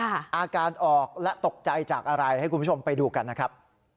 อาการออกและตกใจจากอะไรให้คุณผู้ชมไปดูกันนะครับ